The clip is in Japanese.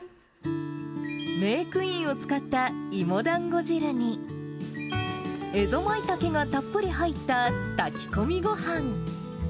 メークインを使った芋だんご汁に、エゾマイタケがたっぷり入った炊き込みごはん。